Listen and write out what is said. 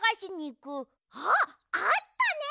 ああったね！